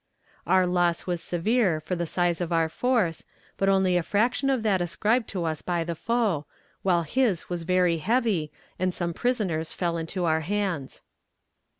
Our loss was severe for the size of our force, but only a fraction of that ascribed to us by the foe, while his was very heavy, and some prisoners fell into our hands.